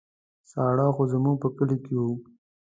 ساړه خو زموږ په کلي کې وو.